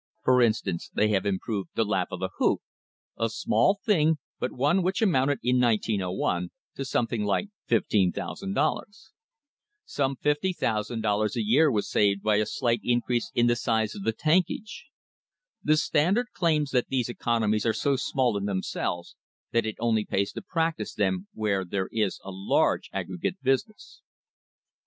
For instance, they have improved the lap of the hoop a small thing, but one which amounted in 1901 to something like $15,000. Some $50,000 a year was saved by a slight increase in the size of the tankage. The Standard claims that these economies are so small in them selves that it only pays to practise them where there is a large aggregate business.